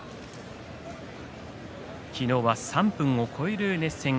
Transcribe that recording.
昨日は３分を超える熱戦